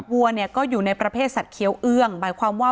วัวเนี่ยก็อยู่ในประเภทสัตว์เคี้ยวเอื้องหมายความว่า